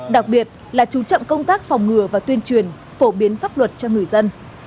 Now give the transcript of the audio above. đặc biệt là chú trọng công tác phòng ngừa và tuyên truyền phổ biến pháp luật cho người dân